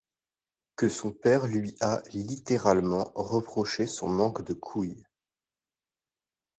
Que son père lui a toujours – littéralement – reproché son manque de couilles.